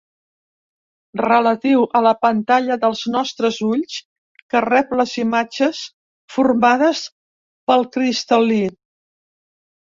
Relatiu a la pantalla dels nostres ulls, que rep les imatges formades pel cristal·lí.